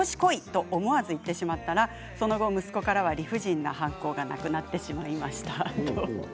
と思わず言ってしまったらその後、息子からは理不尽な反抗がなくなってしまいました。